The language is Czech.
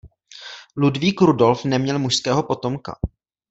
Ludvík Rudolf neměl mužského potomka.